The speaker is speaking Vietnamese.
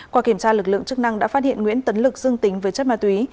qua kiểm tra lực lượng chức năng đã phát hiện nguyễn tấn lực dưng tính với chất mạ tùy